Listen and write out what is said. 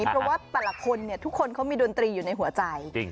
เพราะว่าแต่ละคนทุกคนเขามีดนตรีอยู่ในหัวใจ